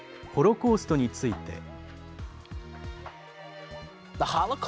ホロコーストについて。